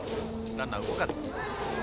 ランナー動かず。